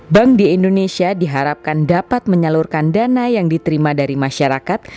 bank di indonesia diharapkan dapat menyalurkan dana yang diterima dari masyarakat